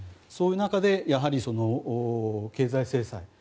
その中で、やはり経済制裁